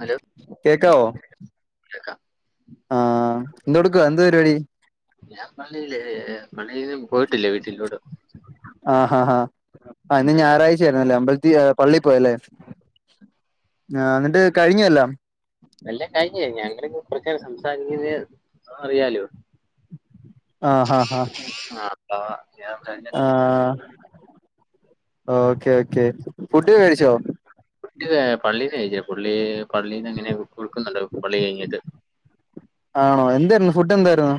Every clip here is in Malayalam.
ഹലോ കേക്കാവോ ആ കേൾക്കാം ആ എന്തെടുക്ക എന്താ പരിപാടി ഞാൻ പള്ളില് പള്ളിന്ന്പോയിട്ടില്ല വീ [unintelligible] ആഹ ഹാ ആ ഇന്ന് ഉം. ഞാറാഴ്ച്ചായിരുന്നല്ലേ അമ്പൽത്തി പള്ളി പോയല്ലേ ആ ന്ന്ട്ട് കഴിഞ്ഞൊല്ലാം എല്ലാം കഴിഞ് ഞങ്ങള ങ്ങനെകൊർച്ചേരം സംസാരിക്കുന്ന അറിയാലോ ആഹ ഹ ആ ഞാൻ തന്നെ ആ ഓക്കെ ഓക്കെ ഫുഡ് കഴിച്ചോ [unintelligible] പള്ളീന്ന് എഴുതിയതാ പുള്ളി പള്ളീന്ന് ങ്ങനെ കൊട്ക്ക്ന്ന്ണ്ടാവും പള്ളി കഴിഞ്ഞിട്ട് ആണോ എന്തേര്ന്നു ഫുഡെന്തേര്ന്നു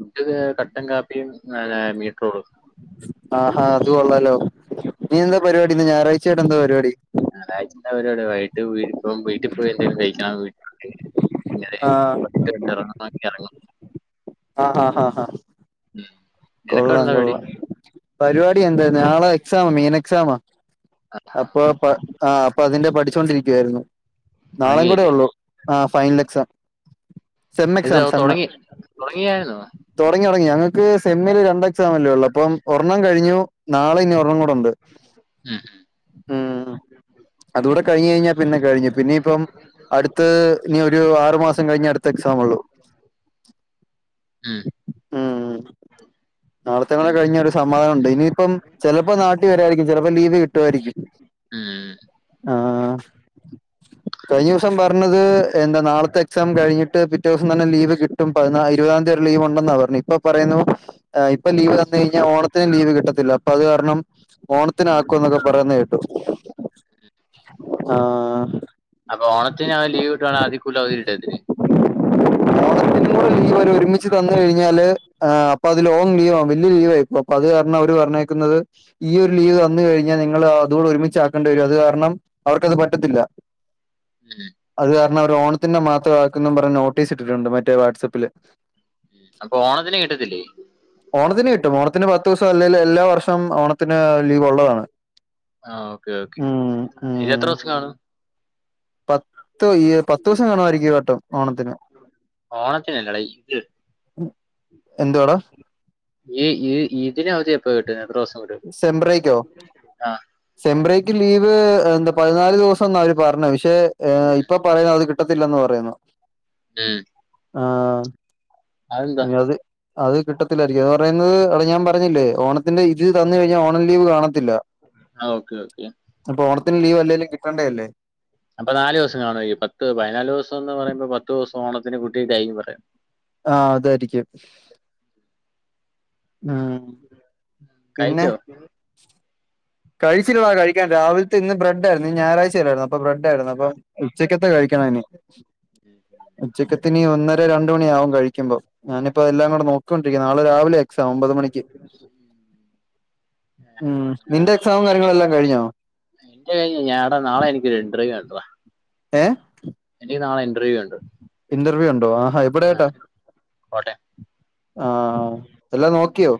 ഫുഡ് കട്ടൻ കാപ്പി മീറ്റർ [unintelligible] ആഹാ അത് കൊള്ളാലോ നീ എന്താ പരിപാടി ഇന്ന് ഞായറാഴ്ചയായിട്ടെന്താ പരിപാടി ഞായർഴ്ച്ചെന്താ പരിപാടിവൈകിട്ട് വീട്ട് പോം വീട്ടി പോയി എന്തെലും കഴിക്കണം അതെ പിന്നെ ആ വൈകിട്ട് [unintelligible] എറങ്ങ ആ ഹ ഹ ഉം നിനക്കെന്താ പരിപാടി പരിപാടി എന്താ നാളെ എക്സാമ മീനെക്സാമ അപ്പൊ പ ആ അപ്പൊ അതിന്റെ പഠിച്ചോണ്ടിരിക്കുവായിരുന്നു നാളേം കൂടെ തുടങ്ങിയില്ലേ ഉള്ളൂ ആ ഫൈനലെക്സാം ഇത് സെമ്മെക്സാം സെമ്മ് തുടങ്ങി തുടങ്ങിയായിരുന്നു തൊടങ്ങി തൊടങ്ങി ഞങ്ങക്ക് സെമ്മില് രണ്ട് എക്സാമല്ലെള്ളൂ അപ്പൊ ഒരെണ്ണം കഴിഞ്ഞു നാളെനി ഒരെണം കൂടി ഒണ്ട് ഉം ഉം അതൂടെകഴിഞ് കഴിഞ്ഞാ പിന്നെ കഴിഞ്ഞു പിന്നെപ്പം അടുത്തത് ഇനി ഒരു ആറു മാസം കഴിഞ് അടുത്ത എക്സമ്ഉള്ളു ഉം നാളത്തെ കൂടെ ഉം കഴിഞ്ഞ ഒരു സമാധാനം ഉണ്ട് ഇനിയിപ്പം ചിലപ്പോ നാട്ടിൽ വരായിരിക്കും ചിലപ്പോ ലീവ് കിട്ടുമായിരിക്കും ഉം ആഹ് കഴിഞ്ഞ ദിവസം പറഞ്ഞത് എന്താ നാളത്തെ എക്സാം കഴിഞ്ഞിട്ട് പിറ്റേ ദിവസം തന്നെ ലീവ് കിട്ടും. പതിന ഇരുപതാം തിയതി ലീവ് ഉണ്ടെന്നാ പറഞ്ഞത് ഇപ്പോ പറയുന്നു. ഇപ്പൊ ലീവ് തന്ന് കഴിഞ്ഞാൽ ഓണത്തിന് ലീവ് കിട്ടത്തില്ല. അപ്പൊ അത് കാരണം ഓണ ത്തിന് ആക്കും. എന്നൊക്കെ പറയുന്നു കേട്ടു ആഹ് അപ്പൊ ഓണത്തിന് അവൻ ലീവ് കിട്ടുവാന്നെ അതിക്കൂടുതൽ അവധി കിട്ടത്തില്ലേ പിന്നവ ഒരുമിച്ച് തന്ന് കഴിഞ്ഞാല് ആഹ് അപ്പൊ അത് ലോങ് ലീവ് ആവും വലിയ ലീവായിപ്പോവും അപ്പൊ അത് കാരണം അവര് പറഞ്ഞേക്കുന്നത് ഈ ഒരു ലീവ് തന്ന് കഴിഞ്ഞാൽ നിങ്ങൾ അതുകൂടെ ഒരുമിച്ചാക്കേണ്ടി വരും. അത് കാരണം അവർക്കത് പറ്റത്തില്ല. [inaudible] ഉം അത് കാരണം അവര് ഓണത്തിന്റെ മാത്രമാക്കും. പറഞ്ഞ് നോട്ടീസ് ഇട്ടിട്ടുണ്ട് മറ്റേ വാട്സപ്പില്. അപ്പൊ ഓണത്തിന് കിട്ടത്തില്ലേ. ഓണത്തിന് കിട്ടും ഓണത്തിന് പത്തു ദിവസം അല്ലെങ്കിൽ എല്ലാ വർഷം ഓണത്തിന് ലീവ് ഉള്ളതാണ്. ആഹ് ഓക്കേ ഓക്കേ ഉം ഉം എത്ര ദിവസം കാണും. പത്ത് ഈ പത്തു ദിവസം കാണുമായിരിക്കും ഈ വട്ടം ഓണത്തിന്. അല്ലടാ ഇത് എന്തുവാടാ ഈ ഇതിന് അവധി എപ്പൊ കിട്ടും എത്ര ദിവസം. കിട്ടും സേം ബ്രേക്ക്‌ കോ ആ സേം ബ്രേക്ക്‌ ലീവ് എന്താ പതിനാല് ദിവസം എന്നാ അവര് പറഞ്ഞ്. പക്ഷെ ഇപ്പൊ പറയുന്നു അത് കിട്ടത്തില്ലന്ന് പറയുന്നു ഉം ആഹ് അതെന്താ അത് അത് കിട്ടത്തിലായിരിക്കും അത് പറയുന്നത് അവിടെ ഞാൻ പറഞ്ഞില്ലേ ഓണത്തിന്റെ ലീവ് തന്നു കഴിഞ്ഞാ ഓണം ലീവ് കാണത്തില്ല. ആഹ് ഓക്കെ ഓക്കെ അപ്പോ ഓത്തിന് ലീവ് അലെങ്കിലും കിട്ടണ്ടേതല്ലേ. അപ്പൊ നാല് ദിവസം കാണും. ഈ പത്ത് പതിനാല് ദിവസം എന്ന് പറയുമ്പോ പത്ത് ദിവസം ഓണത്തിന് കുട്ടിയിട്ടാണു പറയുന്നത്. ആഹ് അതായിരിക്കും. ഉം പിന്നെ കഴിച്ചോ?. കഴിച്ചില്ലടാ. കഴിക്കാൻ രാവിലത്തെ ഇന്ന് ബ്രഡായിരുന്നു. ഞായറാഴ്ചയല്ലായിരുന്നു അപ്പൊ ബ്രഡായിയിരുന്നു. അപ്പ ഉച്ച ക്കത്തെ കഴിക്കണം ഇനി ഉം ഉം ച്ചക്കത്തിനി ഒന്നര രണ്ടു മണിയാകും കഴിക്കുമ്പോ. ഞാനിപ്പോ എല്ലാം കൂടെ നോക്കിക്കൊണ്ടിരിക്കുന്നു. നാളെ രാവിലെ എക് എക്സാം ഒമ്പത് മണിക്ക്. ഉം നിന്റെ എക്സാമും കാര്യങ്ങളുല്ലാം കഴിഞ്ഞോ?. എന്റെ കഴിഞ്ഞ് ഞാട നാളെ എനിക്ക് ഒരു ഇന്റർവ്യുണ്ടടാ. ഏഹ് ഇന്റർവ്യൂ ഉണ്ട് ഇന്റർവ്യൂ ഉണ്ടോ ആഹാ ആ, എവിടെയായിട്ടാ. കോട്ടെ ആഹ് എല്ലാം നോക്കിയോ?.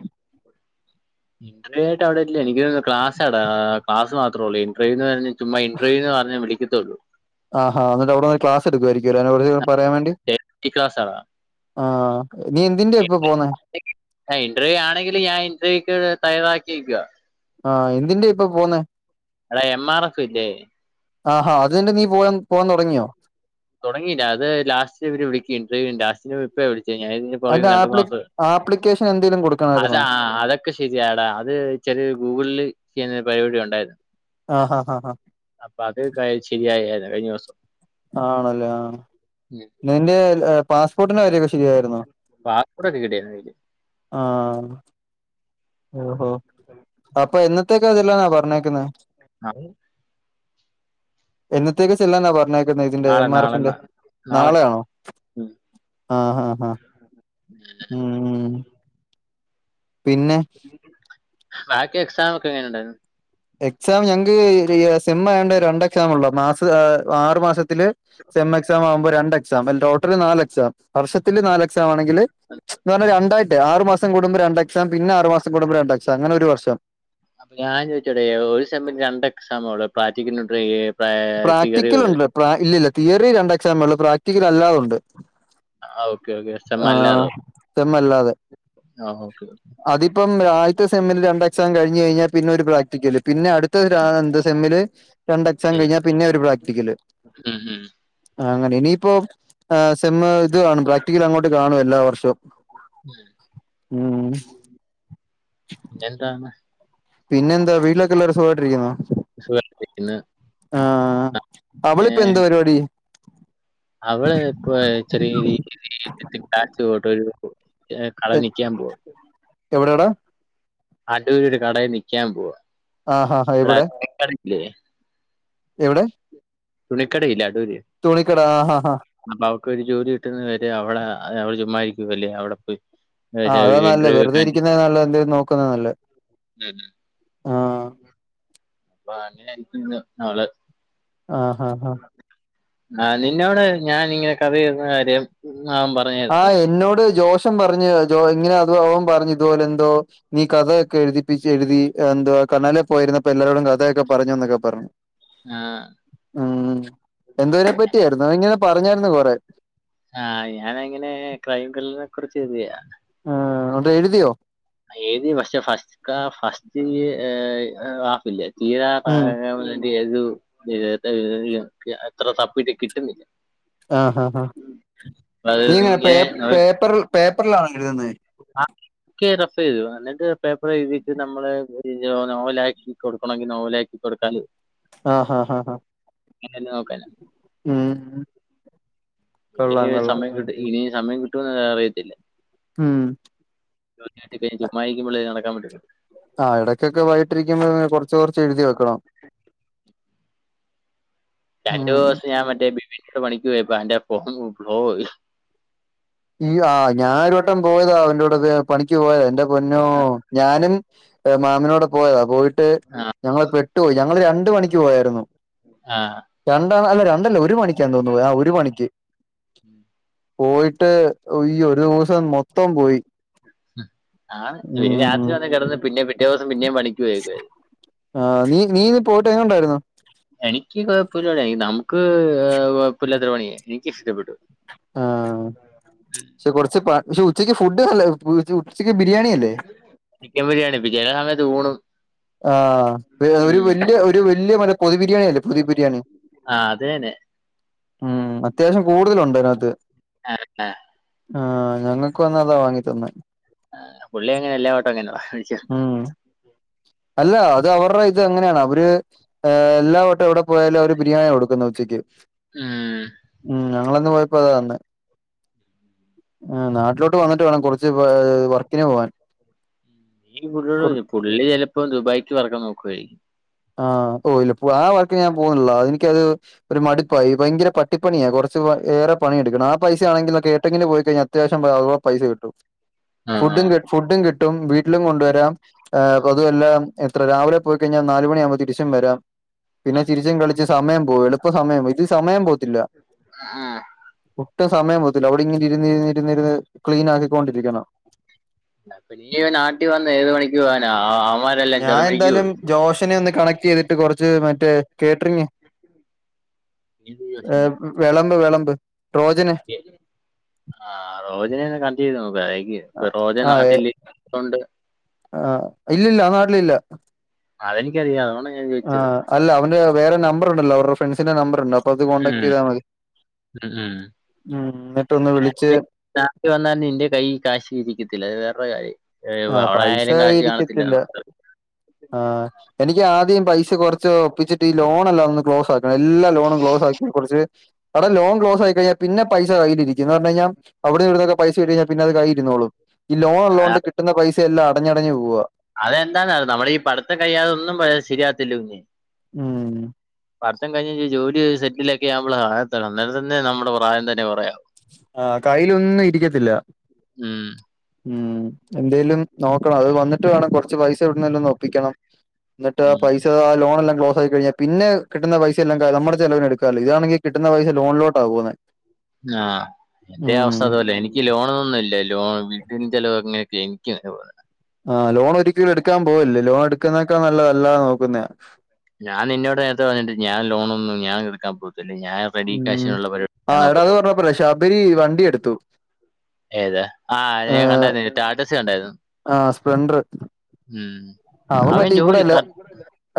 ഇന്റർവ്യൂ ആയിട്ട് അവിടെ ഇല്ല എനിക്ക് ക്ലാസാടാ ക്ലാസ് മാത്രേ ഉള്ളൂ ഇന്റർവൂ എന്ന് പറഞ്ഞ ചുമ്മാ ഇന്റർവ്യൂന്ന് പറഞ്ഞ് വിളിക്കത്തേള്ളൂ. ആഹ് എന്നിട്ട് അവിടെ നിന്ന് ക്ലാസ് എടുക്കുമായിരിക്കുമല്ലോ? അതിനെ കുറച്ച് പറയാൻ വേണ്ടി. ഡെയിലി ക്ലാസ്സാടാ ആഹ് നീ എന്തിൻ്റെ ഇപ്പ പോന്നേ. ഇന്റർവ്യൂ ആണെങ്കിൽ ഞാൻ ഇന്റർവ്യൂക്ക് തയ്യാറാക്കിയിരിക്കുവ. ആഹ് എന്തിന്റെ ഇപ്പൊ പോന്നേ. എടാ എം ആർ എഫ് ഇല്ലേ ആഹ് അതിന്റ നീ പോവാൻ പോവാൻ തുടങ്ങിയോ?. തുടങ്ങിയില്ല അത് ലാസ്റ്റ് ഇവര് വിളിക്കും ഇൻ്റർവ്യൂന് ലാസ്റ്റിന് ഇ വിളിച്ച് ഞാൻ ഇഞ്ഞിപ്പോ രണ്ടു മാസം. എന്തെങ്കിലും കൊടുക്കും. അതാ അതൊക്കെ ശരിയാടാ അത് ചെറിയ ഗൂഗിളിൽ ചെയ്യുന്നൊരു പരിപാടി ഉണ്ടായിരുന്നു. ആഹ ഹാ ആഹ ഹാ അപ്പൊ അത് ശരിയരുന്നു കഴിഞ്ഞ ദിവസം ആണല്ലേ ആ ഉം നിന്റെ പാസ്പോർട്ടിന്റെ കാര്യൊക്കെ ശരിയായിരുന്നു പാസ്പോർട്ട് റെഡിയാക്കി കിട്ടിയാൽ മതിയായിരുന്നു ആഹ് ഓഹോ അപ്പൊ എന്നത്തേക്കാ അതില്ലാന്നാ പറഞ്ഞേക്കുന്നത് ആഹ് എന്നത്തേക്ക് ചെല്ലാെനാ പറഞ്ഞ ഇതിന്റെ നാളെ എം ആർ നാളെ എഫിന്റെ നാ- നാളെ നാളെയ ആണോ ആ ഉം ഉം പിന്നെ ബാക്കി എക്സാം ഒക്കെ എങ്ങനെയുണ്ടായിരുന്നു എക്സാം ഞങ്ങക്ക് സേം ആയത്കൊണ്ട് രണ്ട് എക്സാം ഉള്ള മാസ ആറു മാസത്തെ സെം എക്സാം ആവുമ്പോ രണ്ട് എക്സാം അണെങ്കിൽ ടോട്ടൽ നാല് എക്സാം വർഷത്തില് നാല് എക്സാം ആണെങ്കില് എന്ന് പറഞ്ഞ രണ്ടായിട്ട് ആറു മാസം കൂടുമ്പോ രണ്ട് എക്സാം പിന്നെ ആറ മാസം കടുമ്പോ രണ്ട് എക്സാം അങ്ങനെ ഒരു വർഷം അപ്പൊ ഞാൻ ചോദിച്ചോട്ടെ ഒരു സെം രണ്ട് എക്സാ ഒള്ളോ പ്രാക്റ്റിക്കൽ പ്രാക്ടിക്കൽ ഉണ്ട് ഇല്ലല്ല തിയറി രണ്ട് എക്സാമ ഉള്ള പ്രാക്ടിക്കൽ അല്ലാത ഉണ്ട് ആ ഓക്കെ ഓക്കെല്ലാതോ സെം അല്ലാതെ ആ അതിപ്പം ആദ്യത്തെ സെമില് രണ്ട് എക്സാം കഴിഞ് കഴിഞ്ഞാൽ പിന്നെ ഒരു പ്രാക്ടിക്കല് പിന്നെ അടുത്ത എന്താ സെമ്മില് രണ്ട് എക്സാം ഉം. കഴിഞ്ഞാൽ പിന്നെ ഒരു പ്രാക്ടിക്കൽ ഉം, ഉം. അങ്ങനെ ഇനിയിപ്പോ സെമ്മ ഇത് കാണും പ്രാക്ടിക്കൽ അങ്ങോട്ട് കാണും എല്ലാ വർഷവും ഉം പിന്നെന്താ പിന്നെ എന്താ വീട്ടിലൊക്കെല്ലാവരും സുഖമായിട്ടിരിക്കുന്നോ സുഗായിട്ടിരിക്കുന്നു ആഹ അവളിപ്പൊ എന്താ പരിപാടി അവടെ ഇപ്പൊ ചെറിയ രീതിലാ പോട്ടരു കളനിക്കാൻ പോവാ എവിടെയണാണ് അടുര് ഒരു കടയിൽ നിക്കാൻ പോവാ ആഹ് ആഹ് എവിടെ ഇവിടെല്ലേ എവിടെ തുണക്കട ഇല്ല അടൂരി തുണി കട ആ ആ ഹാ അപ്പൊ അവക്ക് ഒരു ജോലി കിട്ടുന്ന വരെ അവിടെ അവടെ ചുമ്മാരിക്കുവ അല്ലേ അവിടെ പോയി ആ അതാ നല്ലത് ഇന്റർവ്യൂ വെറുതെ ഒക്കെ ഇരിക്കുന്നതിനേക്കാളും എന്തെങ്കിലും നോക്കുന്നതാണ് നല്ലത് അ ആഹ് അപ്പ അങ്ങന നള് ആഹ ആ നിന്നോടെ ഞാനിങ്ങനെ കഥ ചെയുന്ന കാര്യം ആവ പറ ആഹ് എന്നോട് ജോഷം പറഞ്ഞു ഇങ്ങനെ അത് അവൻ പറഞ്ഞു ഇതുപോലെ എന്തോ നീ കഥയൊക്കെ എഴുതിപ്പിച്ച് എഴുതി എതുവാ കണ്ാലെ പോയിരുന്നപ്പോൊ എല്ലാരോടും കഥയൊക്കെ പറഞ്ഞു എന്നൊക്കെ പറഞ്ഞു [inaudible] ആഹ ഉം എന്തതിനെ പറ്റിയായിരുന്നു ഇങ്ങനെ പറഞ്ഞായിരുന്നു കൊറെ ആഹ ഞാൻ അങ്ങനെ ക്രൈംകില്ലറിനെ കുറിച്ച് എഴുതിയ ആഹ എന്നിട്ട് എഴുതിയോ എഴുതി പക്ഷെ ഫസ്റ്റ് ഫസ്റ്റ് ഹാഫില്ലേ ഉം തീരാറക്കൽ വേണ്ടി എഴുതി ഏ എത്ര തപ്പിട്ട് കിട്ടുന്നില്ല ആഹാ അഹാ അപ്പൊ അത് നീ ഇങ്ങനെ പേ പേപ്പർ പേപ്പറിലാണൊ എഴുതുന്നെ ആഹ ഒക്കെ റഫയ്തു [unintelligible] എന്നിട്ട് പേപ്പർ എഴുതിട്ട് നമ്മള് ഒര് നോവലാക്കി കൊടുക്കണങ്കിൽ നോവലാക്കി കൊട്ത്താൽ. ആ ഹ ഹ ഹ ഹ ഹ ഹ അങ്ങനെയല്ലേ നോക്കാനാ. ഉം. കൊള്ളാം ഇനിയ് കൊള്ളാം സമയം കിട്ട ഇനിയ സമയം കിട്ടോന്ന് ഹ് അറിയത്തില്ല. ഉം [unintelligible] മായിക്കുമ്പളെ മടക്കാൻ വിട്ടു. [unintelligible] ആഹ ഇടക്കൊക്കെ വായിട്ടിരിക്കുമ്പോൾ കൊർച്ച് കൊർച്ച് എഴുതി വെക്കണം. രണ്ടു ഉം ദിവസം ഞാൻ മറ്റേ ബിബിന്റെ കൂടെ പണിക്ക് പോയപ്പോ അന്റെ ഫോൺ ഗ്ലോ പോയി ഈ ആ ഞാനൊര് വട്ടം പോയതാ അവന്റെ കൂടെക്കെ പണിക്ക് പോയതാ എന്റെ പൊന്നോ ഞാനും. ഏഹ് മാമിനോട് പോയതാ പോയിട്ട്. ട്ട് ഞങ്ങള് പെട്ടുപോയി ഞങ്ങള് രണ്ട് മണിക്ക് പോയായിരുന്നു. ആഹ് രണ്ടാൾ അല്ല രണ്ടല്ല ഒരു മണിക്കാ തോന്നുന്ന് ആ ഒരു മണിക്ക് പോയി. ട്ട് ഈ ഒരുസം മൊ ആണ് പിന്നെ ഉം രാത്രി വന്ന് കെടന്ന് പിന്നേ പിറ്റേ ദിവസം പിന്നേ പണിക്ക് പോയേക്ക. ആഹ് നീ നീ പോയിട്ട് എങ്ങനെണ്ടായിര്ന്നു. എനിക്ക് കൊയപ്പല്യണിയാ നമുക്ക് ഹ് കൊയ്പുല്ലാത്ത പണിയ എനിക്ക് ഇഷ്ട്ടപ്പെട്ടു. [inaudible] ഷേ കൊർച്ച് പ ഷേ ഉച്ചക്ക് ഫുഡ് അല്ല ഉച്ചക്ക് ബിരിയാണി അല്ലേ. ചേല സമയത്ത് ഊണും. ആഹ് ഒരു ഉം. വലിയ ഒരു വലിയ മര പൊതി ബിരിയാണി ല്ലേ പൊതി ബിരിയാണി. ആഹ് അതെ അതെ ഉം അത്യാവ്ശ്യം കൂടുതലുണ്ട് അയ്നകത്ത്. ആഹ് ആഹ ആഹ് ഞങ്ങക്കു അന്നതാ വാങ്ങി തന്നെ. ആഹ പുള്ളി അങ്ങനെ എല്ലാ ഓട്ടോ അങ്ങനാന്ന്യ വിളിച്ച ഉം അല്ല അത് ഓർഡർ ചെയ്തത് അങ്ങനെയാണ് അവര്. ഏഹ് എല്ലാ വട്ടം എവിടെപ്പോയാലു അവര് ബരിയാണി കൊടുക്കുത് ഉച്ചക്ക് ഉം ഉം ഞങ്ങളന്ന് പോയപ്പോ അതാതന്നെ ഉം നാട്ടിലോട്ട് വന്നിട്ട് വേണം കൊർച്ച് വ് ഏ വർക്കിന് പോവാൻ. ഈ പുള്ള് [unintelligible] പുള്ളി ചെലപ്പൊ ദുബായ്ക്ക് പറക്കാൻ നോക്കുവായിരിക്കും. ആഹ് ഓ ഇല്ല പോ ആ വർക്ക്ന് ഞാൻ പോണ്ല്ല എനിക്കത്. ഒരു മടുപ്പായി ഭയങ്കര പട്ടിപ്പണിയ കൊർച്ച് വ ഏറെ പണിയെടുക്കണം ആ പൈസ ആണെങ്കിലൊ കേട്ട്റിങ്ങ്ൽ പോയിക്കഴിഞ്ഞാ. അത്യാവ്ശ്യം [unintelligible] പൈസ കിട്ടും. ആ ആ ഫുഡും ഫുഡും കിട്ടും വീട്ട്ലും കൊണ്ടുവരാം ഏ ഇപ്പതുഎല്ലാം. ത്ര രാവിലെ പോയിക്കഴിഞ്ഞാൽ നാലുമണി ആവുമ്പൊ തിരിച്ചും വരാം പിന്നെ ആ, ചിരിച്ചും കളി ചെ സമയം പോവും എളുപ്പ സമയം പോവും ഇത് സമയം പോവത്തില്ല. ആഹ്. ഒട്ടും സമയം പോവത്തില്ല അവിടെ ഇങ്ങനെ ഇരിന്ന് ഇരിന്ന് ക്ലീൻ ആക്കിക്കോണ്ടിരിക്കണം. പ്പ നീ നാട്ടിൽ വന്ന് ഏത് പണിക്ക് പോവാന ആഹ അവന്മാർ ഞാ എന്തായാലും ജോഷനെ ഒന്ന് കണക്റ്റെയ്തിട്ട് കൊറച്ച് മറ്റേ കേറ്ററിംഗ് നീ ഇത് ഏഹ് ചോദിച്ചില്ലേ? വെളമ്പ് വെളമ്പ് ട്രോജന് ആഹ റോജനെന്നെ കണ്ടിരുന്നു വൈകി റോജൻ നാട്ടില്. ഒണ്ട്. ആഹ് ഇല്ലില്ല ഞാൻ നാട്ടിലില്ല. അതെനിക്കറിയാം അതോണ്ടാ ഞാൻ ആ ചോയ്ച്ചത്. അല്ല അവന് വേറെ നമ്പർ ഉണ്ടല്ലോ അവരുടെ ഫ്രൺസിന്റെ നമ്പർ ഉണ്ട. അപ്പ അത് ഉം കോണ്ടടാക്റ്റെയ്താ മതി ഉം ഉം. ഉം ന്നിട്ടൊന്ന് വിളിച്ച്. കാശ് വന്നാ നിന്റെ കയ്യിൽ കാശി ഇരിക്കത്തില്ല അത് വേറൊര് കാര്യം. ഏഹ് ആ പൈസ അവ്ടായാലും കാശി കാണത്തില്ല ഇരിക്കത്തില്ല [unintelligible] ആഹ് എനിക്ക് ആദ്യം പൈസ കൊറച്ച് ഒപ്പിച്ചിട്ട് ഈ ലോൺ എല്ലാം ഒന്ന് ക്ലോസാക്. എല്ലാ ലോണും ക്ലോസ ആക്കി കൊറച്ച് എട ലോൺക്ലോസ് ആയി കഴിഞ്ഞാ പിന്നെ പൈസ് ജായിട്ടിരിക്കുംന്ന് പറഞ്ഞ് കിഞ്ഞാ അവിന്ന് ഇവട്ന്നു പൈസ കിട്ടി കഴിഞ്ഞ പിന്ന അത് കൈര്ന്നോളും ഈ ലോണേ ഒള്ളോണ്ട് കി കിട്ടുന്ന പൈസെ എല്ലാ അടഞ്ഞടഞ്ഞു പോവ അതെന്താന്നറി നമ്മളീ പഠിത്തം കഴിയാതൊന്നും പയ ശരിയാകത്തില്ല കുഞ്ഞേ ഉം പട്ത്തം കഴിഞ്ഞഞ് ജോലി സെറ്റ് ലെക്കെ ആഉമ്പള [unintelligible] അന്നേരം തന്നെ നമ്മടെ പ്രായം തന്നെ പറയ ആഹ് കയ്യിലൊന്നും ഇരിക്കത്തില്ല ഉം ഉം എന്തേലും നോക്കണം അത് വന്നിട്ട് വേണം കൊറച്ച് പൈസ എവിടുന്നേലും ഒന്ന് ഒപ്പിക്കണം ന്നട്ട് ആ ഉം. പൈസ ആ ലോണെല്ലാം ക്ലോസ് ആയി കഴിഞ്ഞ് പിന്നെ കിട്ടുന്ന പൈസ എല്ലാം ക ന മ്മടെ ചെലവിന് എടുക്കാലോ ഇതാണെങ്കി കിട്ട്ന്ന പൈസ ലോൺലോട്ട പോകുന്നേ ആഹ് എന്റെ അവസ്ഥ അതു പോലെയ എനി ക്കി ലോണൊന്നും ഇല്ല ലോൺ വീട്ടിന്റെ ചെലവ് അങ്ങനെയൊക്കെ എനിക്ക് [unintelligible] ആഹ് ലോൺ ഒരിക്കലും എടുക്കാൻ പോവല്ല് ലോൺ എട്ക്ക്ന്നേക്കാ നല്ലത് അല്ലാനോക്കുന്നയ ഞാൻ നിന്നോട് നേരത്തെ പറഞ്ഞിട്ട് ഞാൻ ലോണൊന്നും ഞാൻ എടുക്കാൻ പോകത്തില്ല ഞായർ ഉം ആഹ് എട അത് പറഞ്ഞപ്പയ ശബരി വണ്ടി എടുത്തു ഏത് ആഹ് ഞാൻ ഏഹ് കണ്ടായിര്ന്ന് റ്റാറ്റസ് കണ്ടായിര്ന്നു ആഹ് സ്പ്ലെണ്ടർ ഉം അവൻ ജോലി കർ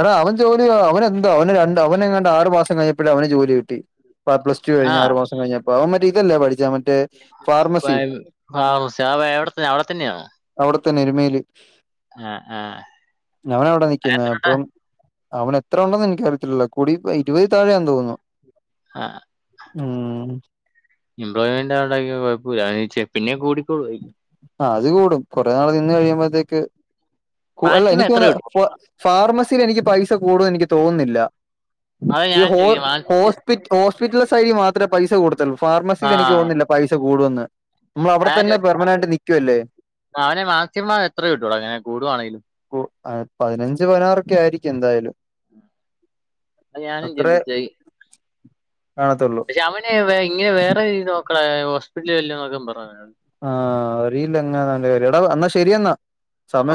എട അവൻ ജോലിയ്യുവ അവനെ എന്താ അവന് രണ്ട് അവനെങ്ങാണ്ട് ആറു മാസം കഴിഞ്ഞപ്പള് അവന് ജോലി കിട്ടി ഇപ്പ പ്ലസ് ടു ആ കഴിഞ്ഞ ആറ് മാസം കഴിഞ്ഞപ്പോ അവ മറ്റേ ഇതല്ലേ പഠിച്ചേ മ വഴം ആഹ് ഉഷാവ എവടെ തന്നെയ അവടെ തന്നെയാണോ അവിടെ തന്നെ എരുമേലി ആഹ് ആഹ് ഞവന് വിടെ നിക്കിന്നെ അപ്പം അവൻ എത്ര ഒണ്ടെന്ന് എനിക്കറിയത്തില്ലല്ലോ കുടി ഇരുവഹ് തായെന്തോന്നുന്നു ആഹ് ഉം എംപ്ലോയ്മെന്റ് [unintelligible] കൊഴപ്പൊല്ല [unintelligible] പിന്നെ കൂടി കൂ ആഹ് അത് കൂടും കൊറെ നാള് നിന്ന് കഴിയുമ്പഴ്ത്തേക്ക് കു അല്ല മാക്സിമം എനിക്ക് എത്ര അതാ കിട്ടും? പോ ഫാർമസില് എനിക്ക് പൈസ കൂടുന്ന് എനിക്ക് തോന്ന്ന്നില്ല അതാ ഈ ഞാൻ ഹോ ചോദിക്കുന്നത് മാക്സി ഹോസ് പിറ്റ് ഹോസ്പിറ്റൽ സൈഡി മാത്രമേ പൈസ കൂടത്തൊള്ളൂ ആ ഫാർമസിൽ എനിക്ക് തോന്നുന്നില്ല പൈസ കൂടു എന്ന് മ്മള അവിടെ തന്നെ പെർമനന്റയിട്ട് നി മാനെ മാക്സിമം എത്ര കിട്ടൂടാ ഇങ്ങനെ കൂടുവാണെങ്കി പൂ പതിനഞ്ച് പതിനാറൊക്കെ ആയിരിക്കും എന്തായാലും അത് ഞാനും അത്രേ ചിന്തിച്ചേ. കാണത്തൊള്ളൂ രാമനെവെ ഇങ്ങനെ വേറെത് നോക്ക്ണേ ഹോസ്പിറ്റലിൽ വല്ലം നോക്കാ പറ അവ ആഹ് അറിയില്ല അങ്ങനെ അവന്റെ കാര്യം എടാ എന്നാ ശരിയ എന്നാ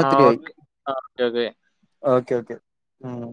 ആ ഒത്തിരിയായി ഓക്കെ. ആ ഓക്കെ, ഓക്കെ. ഓക്കെ ഓക്കെ ഉം